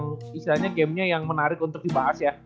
misalnya gamenya yang menarik untuk dibahas ya